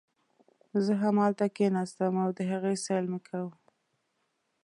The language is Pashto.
زه همالته کښېناستم او د هغې سیل مې کاوه.